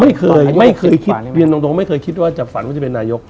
ไม่เคยไม่เคยคิดเรียนตรงไม่เคยคิดว่าจะฝันว่าจะเป็นนายก